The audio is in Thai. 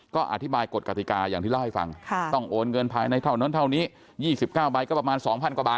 ก็อธิบายกฎกติกาอย่างที่เล่าให้ฟังต้องโอนเงินภายในเท่านั้นเท่านี้๒๙ใบก็ประมาณ๒๐๐กว่าบาท